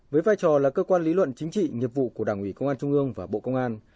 với vai trò là cơ quan lý luận chính trị nhiệm vụ của đảng ủy công an trung ương và bộ công an